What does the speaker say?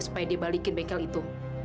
supaya dia balikin bengkel itu